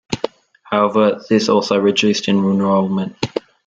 However, this also reduced enrollment.